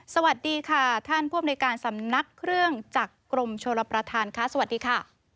สวัสดีค่ะท่านผู้อำนวยการสำนักเครื่องจากกรมชลประธานค่ะสวัสดีค่ะ